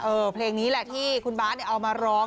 เออเพลงนี้แหละที่คุณบาร์ดเอามาร้อง